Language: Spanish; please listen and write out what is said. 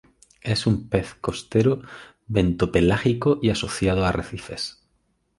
Es un pez costero bento-pelágico y asociado a arrecifes.